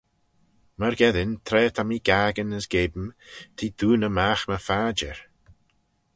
Myrgeddin tra ta mee gaccan as geam, t'eh dooney magh my phadjer.